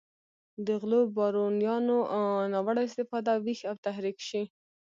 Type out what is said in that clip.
د غلو بارونیانو ناوړه استفاده ویښ او تحریک شي.